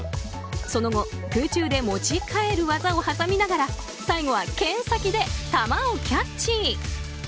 その後、空中で持ち替える技をはさみながら最後は、けん先で玉をキャッチ。